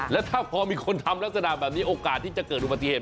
แล้วถ้าพอมีคนทำลักษณะแบบนี้โอกาสที่จะเกิดอุบัติเหตุ